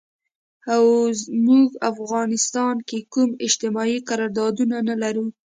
او مونږ افغانستان کې کوم اجتماعي قرارداد نه لرو